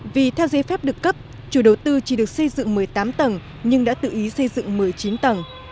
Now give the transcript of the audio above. vì theo giấy phép được cấp chủ đầu tư chỉ được xây dựng một mươi tám tầng nhưng đã tự ý xây dựng một mươi chín tầng